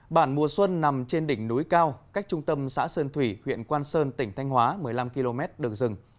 bản mùa xuân nằm trên đỉnh núi cao cách trung tâm xã sơn thủy huyện quang sơn tỉnh thanh hóa một mươi năm km đường rừng